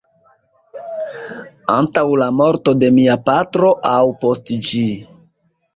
Antaŭ la morto de mia patro aŭ post ĝi?